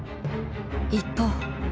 一方。